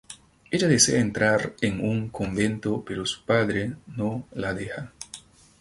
Ella desea entrar en un convento pero su padre no la deja.